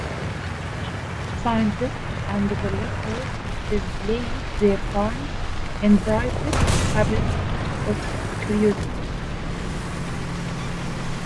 Scientists and collectors displayed their finds in private cabinets of curiosities.